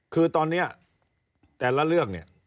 คือตอนนี้แต่ละเรื่องเนี่ย